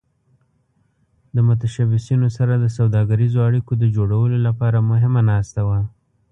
د متشبثینو سره د سوداګریزو اړیکو د جوړولو لپاره مهمه ناسته وه.